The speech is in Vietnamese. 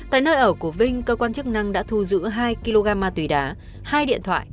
tại nơi ở của vinh cơ quan chức năng đã thu giữ hai kg tùy đá hai điện thoại